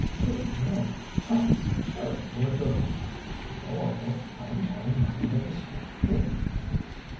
"Two men? Thomas, surely you are joking." "No, uncle, I am telling nothing but the strict truth."